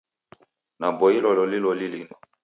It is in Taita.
Naboilwa loli loli linu.